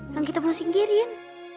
yang kita mau singkirin